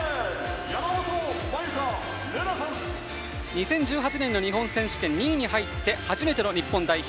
２０１８年の日本選手権２位に入って初めての日本代表。